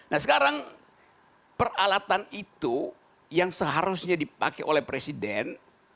nah sekarang peralatan itu yang seharusnya dipakai oleh presiden